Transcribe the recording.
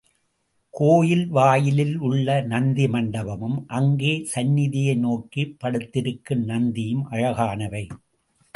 கோயில் வாயிலில் உள்ள நந்தி மண்டபமும், அங்கே சந்நிதியை நோக்கிப் படுத்திருக்கும் நந்தியும் அழகானவை.